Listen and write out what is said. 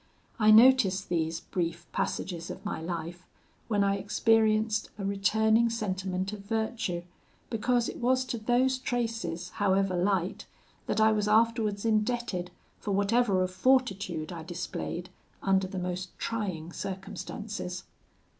I notice these brief passages of my life when I experienced a returning sentiment of virtue, because it was to those traces, however light, that I was afterwards indebted for whatever of fortitude I displayed under the most trying circumstances.